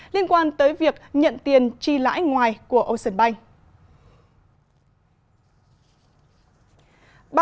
liên quan tới việc nhận tiền tri lãi ngoài của ocean bank